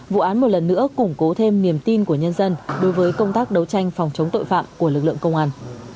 vụ án một lần nữa củng cố thêm niềm tin của nhân dân đối với công tác đấu tranh phòng chống tội phạm của lực lượng công an